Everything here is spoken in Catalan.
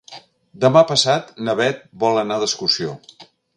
Demà passat na Beth vol anar d'excursió.